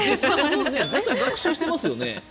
学習してますよね。